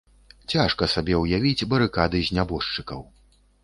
Цяжка сабе ўявіць барыкады з нябожчыкаў.